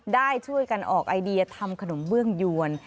ได้ช่วยกันออกไอเดียทำขนมเบื้องยวน